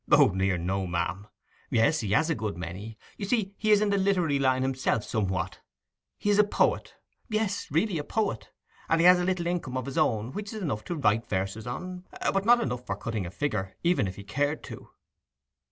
'O dear no, ma'am. Yes, he has a good many. You see, he is in the literary line himself somewhat. He is a poet—yes, really a poet—and he has a little income of his own, which is enough to write verses on, but not enough for cutting a figure, even if he cared to.